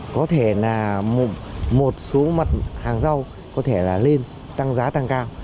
có thể là một số mặt hàng rau có thể là lên tăng giá tăng cao